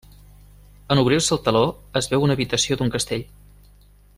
En obrir-se el teló es veu una habitació d'un castell.